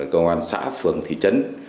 công an xã phường thị trấn